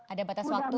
ada batas waktu